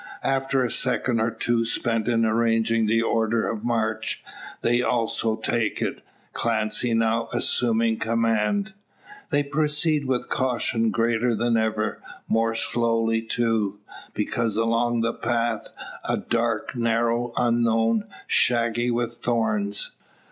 After a second or two spent in arranging the order of march, they also take it, Clancy now assuming command. They proceed with caution greater than ever; more slowly too, because along a path, dark, narrow, unknown, shaggy with thorns.